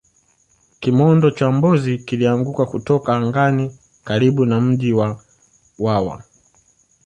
kimondo cha mbozi kilianguka kutoka angani karibu na mji wa vwawa